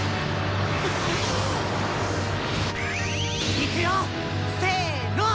いくよっせーのッ！